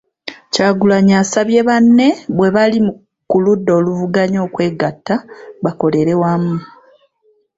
Kyagulanyi asabye banne bwe bali ku ludda oluvuganya okwegatta bakolere wamu.